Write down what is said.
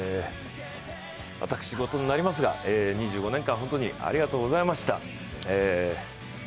私事になりますが、２５年間本当にありがとうございました。